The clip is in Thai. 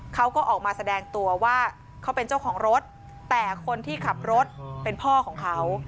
เขาก็ออกมาแสดงตัวว่าเขาเป็นเจ้าของรถแต่คนที่ขับรถเป็นพ่อของเขา